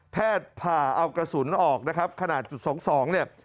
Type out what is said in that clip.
แพทย์ผ่าเอากระสุนออกขณะจุด๒๒